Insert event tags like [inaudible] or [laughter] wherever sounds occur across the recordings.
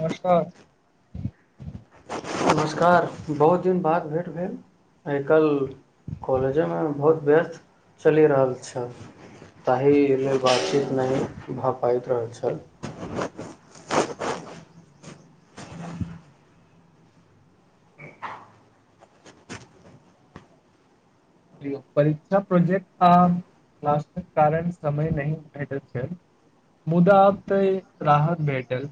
नमस्कार। नमस्कार बहुत दिन बाद भेंट भेल आय कल्ह कॉलेजेमे बहुत व्यस्त चैलि रहल छल। ताहि लेल बातचीत नैहि भए पाइत रहल छल। परिक्षा प्रोजेेक्ट आ राष्ट्रय कारण समय नैहि भेटै छैय। मुदा आब तै राहत भेठल।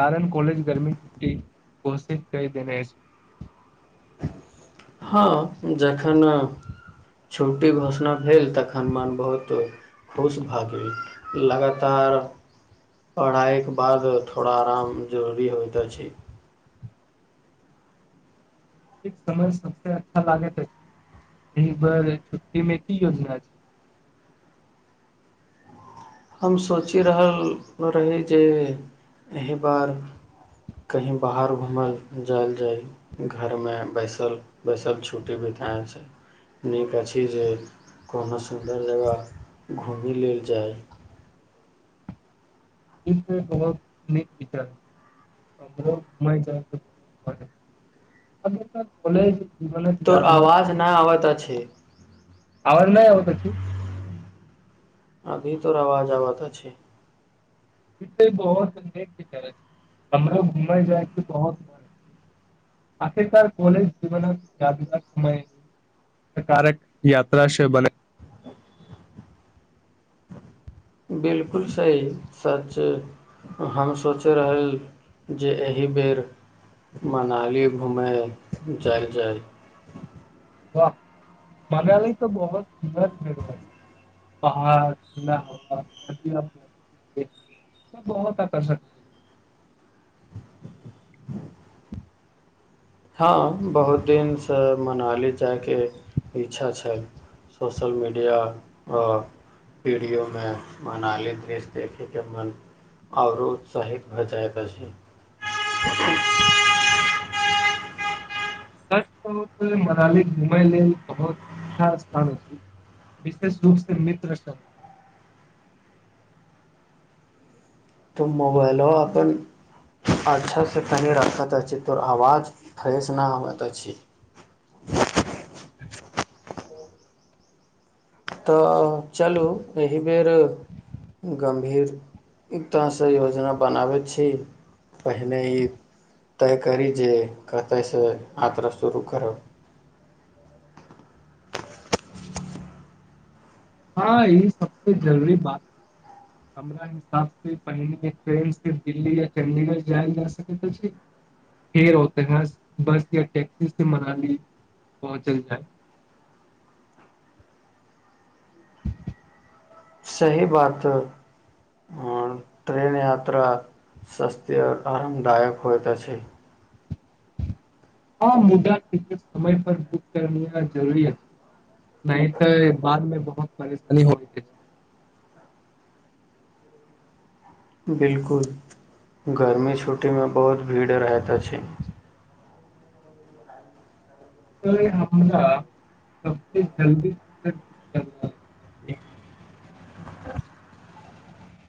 कारण कॉलेज गर्मी छुट्टी घोषित कैय देने अछ। हँ जखन छुट्टी घोषणा भेल तखन मन बहुत। खुश भ गेल लगातार पढ़ायक बाद थोड़ा आराम जरुरी होइत अछि। ई समय सबसे अच्छा लागेत एैछ एही बेर छुट्टी मे की योजना छैय? हम सोचि रहल रही जे अहि बार। कही बाहर घुमल जाएल जाय। घर मे बैसल-बैसल छुट्टी बिताय छै। नीक अछि जे कोनो सुंदर जगह घुमि लेल जाय। ई त बहुत नीक विचार। [unintelligible] अभि तक कॉलेज। जीवनक तोर यादगार आवाज नै आबत अछि। आवाज नैय आबत अछि? अभी तोर आवाज आबात अछि। इ त बहुत नेक विचार अछि हमरा घुमै जाय के बहुत म अखीरकार कॉलज जीवनक यादगार समय। कारक यात्रा से बने बिल्कुल सही सच। हम सोचै रहल जे एहि बेर मनाली घुमैय जाय-जाय। वाह मानाली तऽ बहोत सुन्दर जगह छै। पहाड़ [unintelligible] बहोत आकर्षक है। हँ बहुत दिन सँ मनाली जायके इच्छा छल। सोशल मीडिया आ विडियो मे मनाली दृश्य देखे के मन। औरो उत्साहित भ जाइत अछि। सच कहूँ त मनााली घुमैय लेल बहुत अच्छा स्थान विशेष रूप से मित्र सब। त मोबाइलबा अपन अच्छा से कनि राखत अछि तोर आवाज फ्रेश न होइत अछी। हा तऽ चलू एहि बेर गम्भीर-रत्ता से योजना बनाबै छी। पहिने ई तय करी जे कतै से यात्रा शुरू करब ह ई सबसे जरूरी बात अए हमरा हिसाब से पहिल के ट्रेन सीर्फ दिल्ली या चंडीगढ़ जायल जा सके त अछि। फेर होते है बस या टेक्सी से मनाली पहुँचल जाय सही बात ह आ ट्रेन यात्रा सस्ते आ आरामदायक होइत अछि। ह मुदाटिकट समय पर बुक करैनाय जरूरी अछि। ने तैय बाद मे बहुत परेशानी होयत अछि। बिलकुल गर्मी छुटी में बहुत भीड़ रहैत अछि। हय हमरा सब के जल्दी टिकट- बुक करना चाही